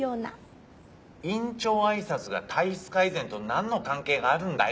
院長挨拶が体質改善となんの関係があるんだよ。